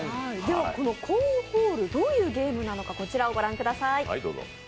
この「コーンホール」どういうゲームなのかこちらをご覧ください。